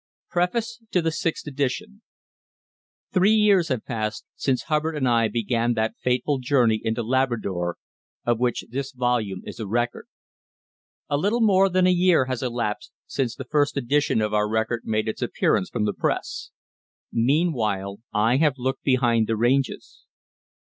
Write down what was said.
PREFACE TO THE SIXTH EDITION Three years have passed since Hubbard and I began that fateful journey into Labrador of which this volume is a record. A little more than a year has elapsed since the first edition of our record made its appearance from the press. Meanwhile I have looked behind the ranges.